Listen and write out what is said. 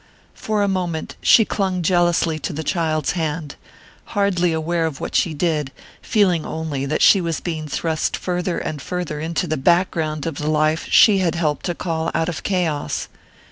For a moment she clung jealously to the child's hand, hardly aware of what she did, feeling only that she was being thrust farther and farther into the background of the life she had helped to call out of chaos.